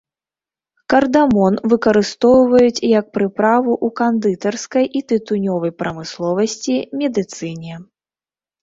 Кардамон выкарыстоўваюць як прыправу ў кандытарскай і тытунёвай прамысловасці, медыцыне.